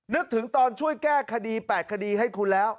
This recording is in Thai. นึกถึงตอนช่วยแก้คดี๘คดีให้คุณแล้ว